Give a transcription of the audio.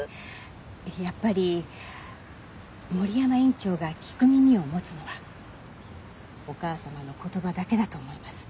やっぱり森山院長が聞く耳を持つのはお母様の言葉だけだと思います。